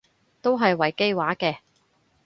都係維基話嘅